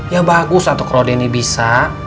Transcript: ya bagus atau kalau deni bisa